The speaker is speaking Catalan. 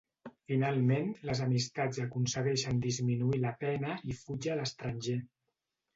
Finalment les amistats aconsegueixen disminuir la pena i fuig a l'estranger.